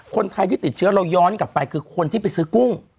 คนไทยที่ติดเชื้อเราย้อนกลับไปคือคนที่ไปซื้อกุ้ง